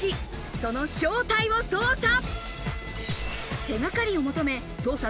その正体を捜査！